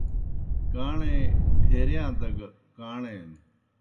کاݨے ڈھیرِیاں دگہ کاݨے نوْ